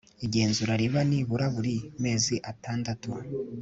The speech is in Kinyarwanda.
Igenzura riba nibura buri mezi atandatu